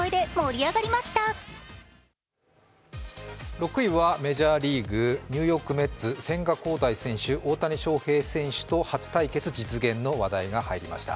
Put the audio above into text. ６位はメジャーリーグ、ニューヨーク・メッツ、千賀滉大選手、大谷翔平選手との初対決実現の話題が入りました。